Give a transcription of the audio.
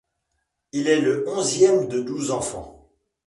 Il est le onzième de douze enfants.